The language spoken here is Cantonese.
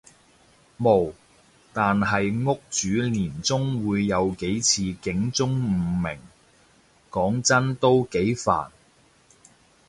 無，但係屋主年中會有幾次警鐘誤鳴，講真都幾煩